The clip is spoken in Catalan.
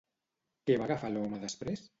Què va agafar l'home després?